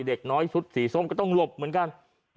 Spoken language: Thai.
เด็กน้อยชุดสีส้มก็ต้องหลบเหมือนกัน